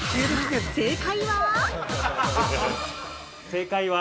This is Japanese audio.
正解は？